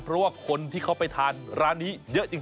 เพราะว่าคนที่เขาไปทานร้านนี้เยอะจริง